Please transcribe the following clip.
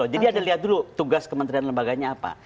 jadi ada lihat dulu tugas kementerian lembaganya apa